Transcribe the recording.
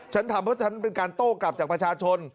ฉันทำเพราะฉันเป็นการโต้กลับจากประชาชน